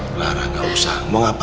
clara gak usah mau ngapain